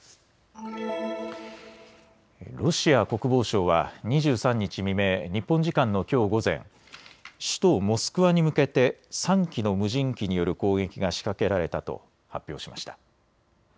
ロシア国防省は２３日未明、日本時間のきょう午前、首都モスクワに向けて３機の無人機による攻撃が仕掛けられたと発表しました。